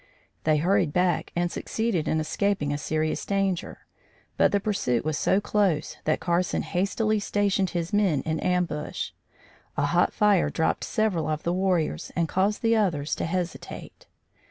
They hurried back and succeeded in escaping a serious danger; but the pursuit was so close that Carson hastily stationed his men in ambush. A hot fire dropped several of the warriors and caused the others to hesitate.